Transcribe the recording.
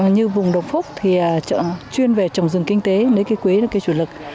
như vùng đồng phúc thì chuyên về trồng rừng kinh tế nơi cái quế là cái chủ lực